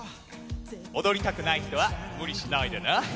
踊りたくない人は無理しないでね